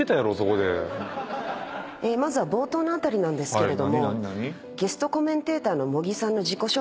まずは冒頭の辺りなんですけれども。